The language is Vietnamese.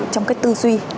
trong cái tư duy